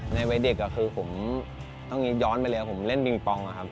ในวัยเด็กคือผมต้องย้อนไปเลยผมเล่นปิงปองนะครับ